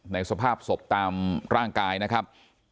สภาพศพตามร่างกายนะครับ